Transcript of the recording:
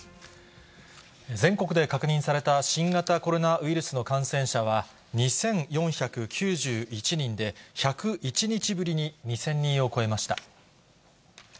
全国で確認された新型コロナウイルスの感染者は、２４９１人で、１０１日ぶりに２０００人を超えました。